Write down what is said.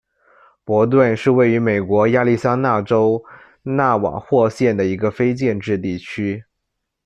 伯顿是位于美国亚利桑那州纳瓦霍县的一个非建制地区。